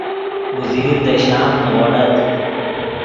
اوزیر دے شام نیغوڑت